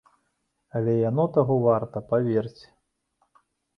Але яно таго варта, паверце.